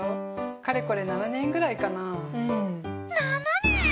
かれこれ７年くらいかな？